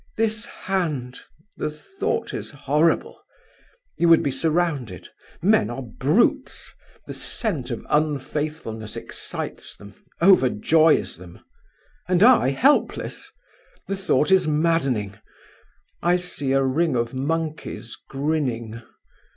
This hand! the thought is horrible. You would be surrounded; men are brutes; the scent of unfaithfulness excites them, overjoys them. And I helpless! The thought is maddening. I see a ring of monkeys grinning.